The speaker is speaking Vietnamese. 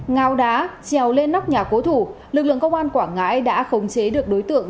ngao đá trèo lên nóc nhà cố thủ lực lượng công an quảng ngãi đã khống chế được đối tượng